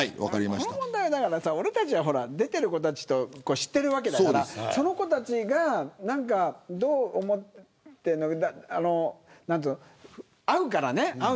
この問題は俺たちは出ている子たちを知ってるわけだからその子たちがどう思っているのか会うからね。